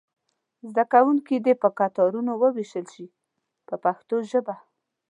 زده کوونکي دې په کتارونو وویشل شي په پښتو ژبه.